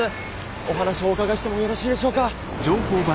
お話をお伺いしてもよろしいでしょうか。